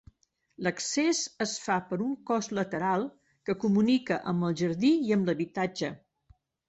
L'accés es fa per un cos lateral que comunica amb el jardí i amb l'habitatge.